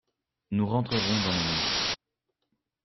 Nous rentrerons dans la nuit.